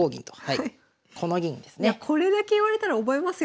いやこれだけ言われたら覚えますよ